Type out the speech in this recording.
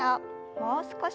もう少し。